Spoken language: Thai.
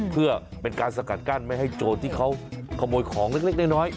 เพื่อเป็นการสกัดกั้นไม่ให้โจรที่เขาขโมยของเล็กน้อย